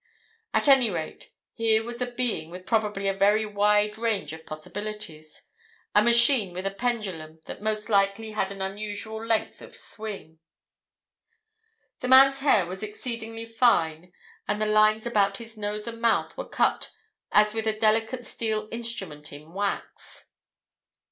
"At any rate, here was a being with probably a very wide range of possibilities, a machine with a pendulum that most likely had an unusual length of swing. "The man's hair was exceedingly fine, and the lines about his nose and mouth were cut as with a delicate steel instrument in wax.